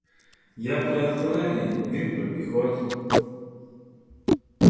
Я при артилерії, він при піхоті.